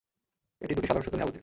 এটি দুটি সাধারণ সত্য নিয়ে আবর্তিত।